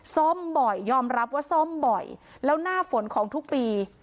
ซ่อมบ่อยยอมรับว่าซ่อมบ่อยแล้วหน้าฝนของทุกปี